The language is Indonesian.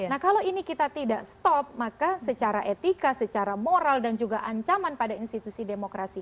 nah kalau ini kita tidak stop maka secara etika secara moral dan juga ancaman pada institusi demokrasi